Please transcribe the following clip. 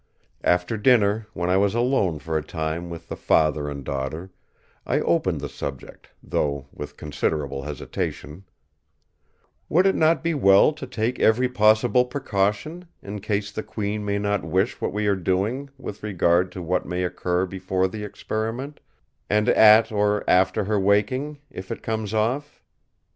After dinner, when I was alone for a time with the father and daughter, I opened the subject, though with considerable hesitation: "Would it not be well to take every possible precaution, in case the Queen may not wish what we are doing, with regard to what may occur before the Experiment; and at or after her waking, if it comes off?"